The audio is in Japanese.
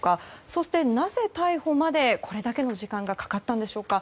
そして、なぜ逮捕までこれだけの時間がかかったんでしょうか。